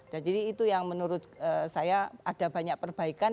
dan jadi itu yang menurut saya ada banyak perbaikan